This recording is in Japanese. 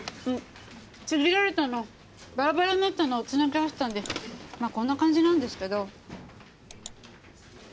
ちぎられたのをバラバラになったのを繋ぎ合わせたんでまあこんな感じなんですけど。